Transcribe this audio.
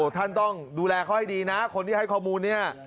ท่านต้องดูแลเขาให้ดีนะคนที่ให้ข้อมูลเนี่ย